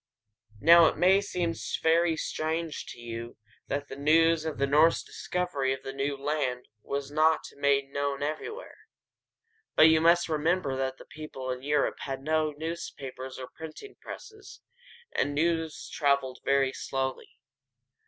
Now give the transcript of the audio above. Now, it may seem very strange to you that the news of the Norse discovery of the new land was not made known everywhere; but you must remember that the people in Europe had no newspapers or printing presses, and that news traveled very slowly.